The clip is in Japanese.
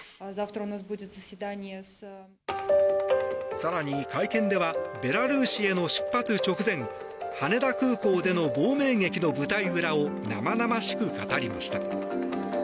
更に、会見ではベラルーシへの出発直前羽田空港での亡命劇の舞台裏を生々しく語りました。